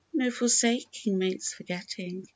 No forsaking makes forgetting !